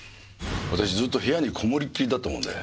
私ずっと部屋にこもりっきりだったもので。